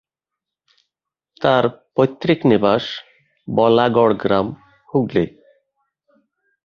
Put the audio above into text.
তার পৈতৃক নিবাস বলাগড় গ্রাম, হুগলি।